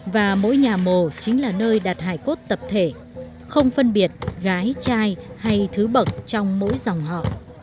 và mỗi nhà mồ chính là nơi đặt hải cốt tập thể không phân biệt gái trai hay thứ bậc trong mỗi dòng họ